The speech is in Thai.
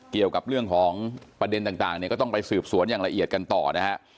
เกี่ยวกับเรื่องของประเด็นต่างเนี่ยก็ต้องไปสืบสวนอย่างละเอียดกันต่อนะฮะ